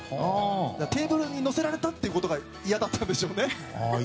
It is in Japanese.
テーブルに乗せられたってことが嫌だったんでしょうね。